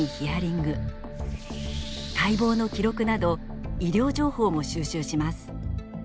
解剖の記録など医療情報も収集します。